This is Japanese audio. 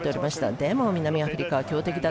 でも南アフリカは強敵だ。